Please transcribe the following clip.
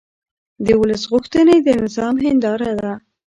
د ولس غوښتنې د نظام هنداره ده